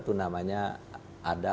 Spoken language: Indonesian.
itu namanya ada